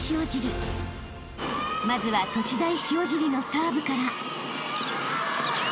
［まずは都市大塩尻のサーブから］